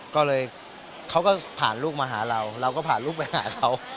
ก็เลยเขาก็ผ่านลูกมาหาเราเราก็ผ่านลูกไปหาเขา